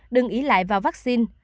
đừng ý lại vào vaccine